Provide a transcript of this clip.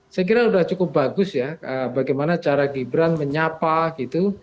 saya kira sudah cukup bagus ya bagaimana cara gibran menyapa gitu